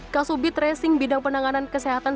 kasubit tracing bidang penanganan kesehatan